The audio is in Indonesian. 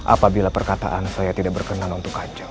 apabila perkataan saya tidak berkenan untuk kacau